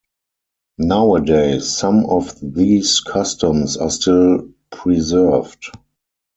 Nowadays, some of these customs are still preserved.